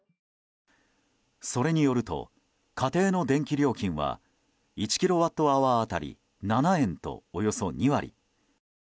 それによると、家庭の電気料金は１キロワットアワー当たり７円とおよそ２割。